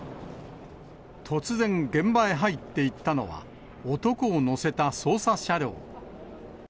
突然、現場へ入っていったのは、男を乗せた捜査車両。